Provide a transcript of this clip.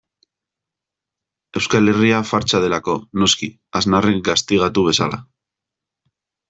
Euskal Herria fartsa delako, noski, Aznarrek gaztigatu bezala.